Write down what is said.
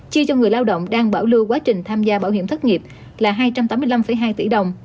chi cho người lao động đang bảo lưu quá trình tham gia bảo hiểm thất nghiệp là hai trăm tám mươi năm hai tỷ đồng